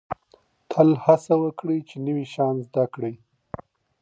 تل هڅه وکړئ چي نوي شیان زده کړئ.